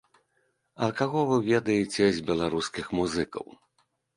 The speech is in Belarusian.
А каго вы ведаеце з беларускіх музыкаў?